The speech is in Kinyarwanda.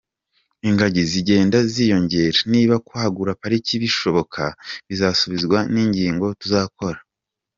Ingagi zigenda ziyongera, niba kwagura pariki bizashoboka, bizasubizwa n’inyigo tuzakora.